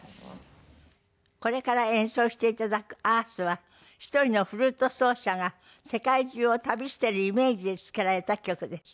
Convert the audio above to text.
これから演奏して頂く『ＥＡＲＴＨ』は１人のフルート奏者が世界中を旅しているイメージで作られた曲です。